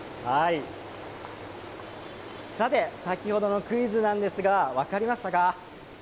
さて、先ほどのクイズなんですが分かりましたか？